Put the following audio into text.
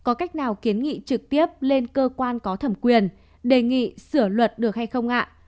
có cách nào kiến nghị trực tiếp lên cơ quan có thẩm quyền đề nghị sửa luật được hay không ạ